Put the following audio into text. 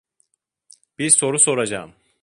Bir soru soracağım.